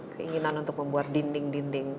keinginan untuk membuat dinding dinding